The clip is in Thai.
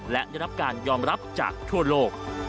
และได้รับการยอมรับจากทั่วโลก